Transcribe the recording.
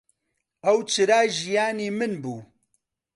ئەو چرای ژیانی من بوو.